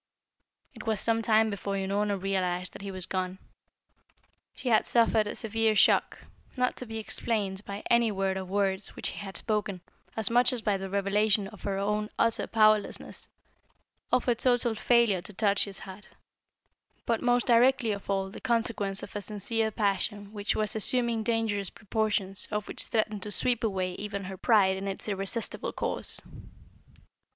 It was some time before Unorna realised that he was gone. She had suffered a severe shock, not to be explained by any word or words which he had spoken, as much as by the revelation of her own utter powerlessness, of her total failure to touch his heart, but most directly of all the consequence of a sincere passion which was assuming dangerous proportions and which threatened to sweep away even her pride in its irresistible course.